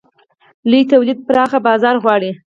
لوی تولید پراخه بازار غواړي.